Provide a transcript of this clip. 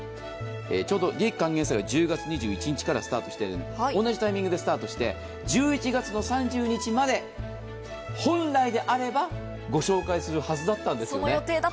ちょうど利益還元祭は１０月２１日からスタートしていまして同じタイミングでスタートして１１月の３０日まで本来であればご紹介するはずだったんですよね。